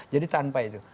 jadi tanpa itu